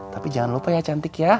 tapi jangan lupa ya cantik ya